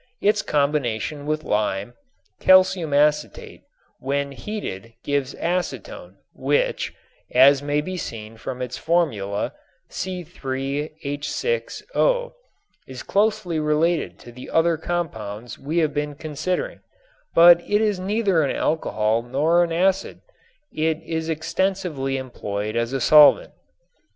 Its combination with lime, calcium acetate, when heated gives acetone, which, as may be seen from its formula (C_H_O) is closely related to the other compounds we have been considering, but it is neither an alcohol nor an acid. It is extensively employed as a solvent.